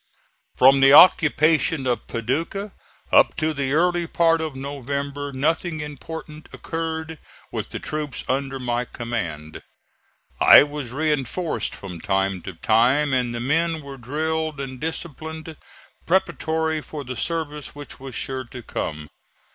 From the occupation of Paducah up to the early part of November nothing important occurred with the troops under my command. I was reinforced from time to time and the men were drilled and disciplined preparatory for the service which was sure to come.